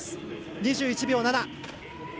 ２１秒７。